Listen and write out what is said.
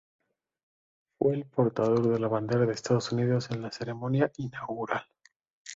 Él fue el portador de la bandera de Estados Unidos en la ceremonia inaugural.